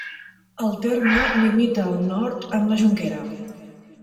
El terme limita al nord amb la Jonquera.